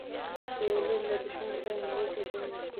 که یو لوری له دښمن سره ملګری شي تړون ماتیږي.